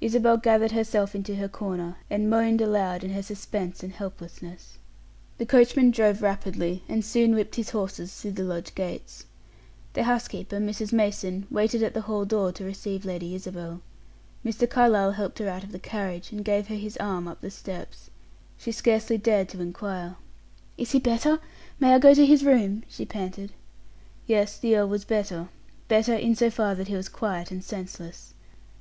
Isabel gathered herself into her corner, and moaned aloud in her suspense and helplessness. The coachman drove rapidly, and soon whipped his horses through the lodge gates. The housekeeper, Mrs. Mason, waited at the hall door to receive Lady Isabel. Mr. Carlyle helped her out of the carriage, and gave her his arm up the steps. She scarcely dared to inquire. "Is he better? May I go to his room?" she panted. Yes, the earl was better better, in so far as that he was quiet and senseless.